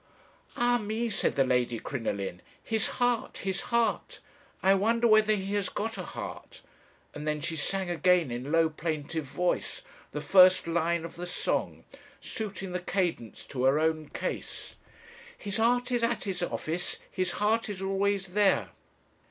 "'Ah me!' said the Lady Crinoline 'his heart! his heart! I wonder whether he has got a heart;' and then she sang again in low plaintive voice the first line of the song, suiting the cadence to her own case: His heart is at his office, his heart is always there.